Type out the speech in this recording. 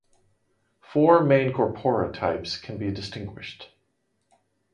Four main corpora types can be distinguished.